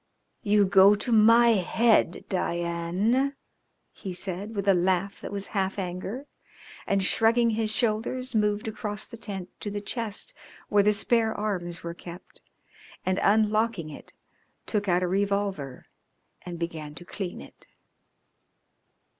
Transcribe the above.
"You go to my head, Diane," he said, with a laugh that was half anger, and shrugging his shoulders moved across the tent to the chest where the spare arms were kept, and unlocking it took out a revolver and began to clean it.